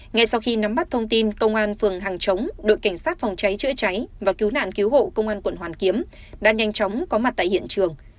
ngay sau khi nắm bắt thông tin công an phường hàng chống đội cảnh sát phòng cháy chữa cháy và cứu nạn cứu hộ công an quận hoàn kiếm đã nhanh chóng có mặt tại hiện trường